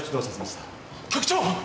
局長！